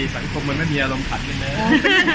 ไม่สังคมมันก็มีอารมณ์ถัดกันเนี่ย